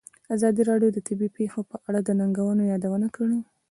ازادي راډیو د طبیعي پېښې په اړه د ننګونو یادونه کړې.